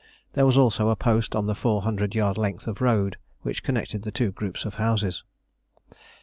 There was also a post on the four hundred yard length of road which connected the two groups of houses.